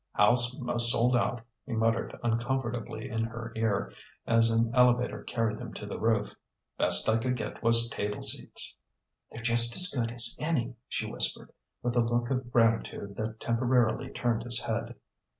"House 'most sold out," he muttered uncomfortably in her ear as an elevator carried them to the roof. "Best I could get was table seats." "They're just as good as any," she whispered, with a look of gratitude that temporarily turned his head.